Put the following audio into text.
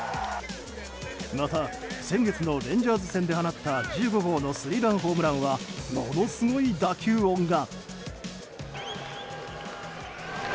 また、先月のレンジャーズ戦で放った１５号のスリーランホームランはものすごい打球音が。